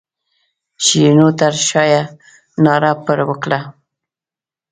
شیرینو تر شایه ناره پر وکړه.